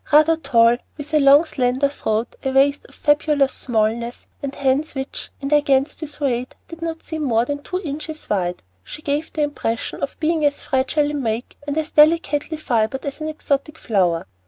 Rather tall, with a long slender throat, a waist of fabulous smallness, and hands which, in their gants de Suède, did not seem more than two inches wide, she gave the impression of being as fragile in make and as delicately fibred as an exotic flower.